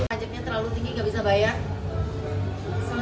pajaknya terlalu tinggi nggak bisa bayar